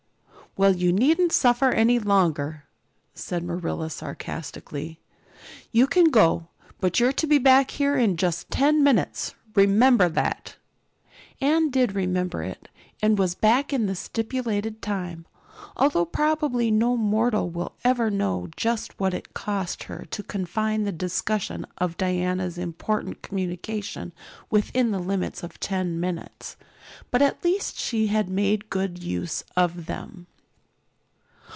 "Well, you needn't suffer any longer," said Marilla sarcastically. "You can go, but you're to be back here in just ten minutes, remember that." Anne did remember it and was back in the stipulated time, although probably no mortal will ever know just what it cost her to confine the discussion of Diana's important communication within the limits of ten minutes. But at least she had made good use of them.